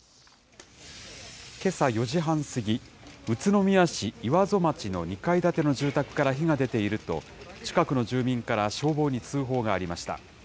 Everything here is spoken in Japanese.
けさ４時半過ぎ、宇都宮市岩曽町の２階建ての住宅から火が出ていると、近くの住民から消防に通報がありました。